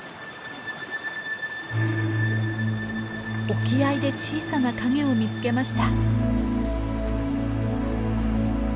沖合で小さな影を見つけました。